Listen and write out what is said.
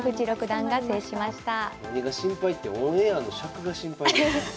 何が心配ってオンエアの尺が心配です。